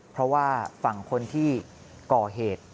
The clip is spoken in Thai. เพราะว่าฝั่งคนที่ก่อเหตุ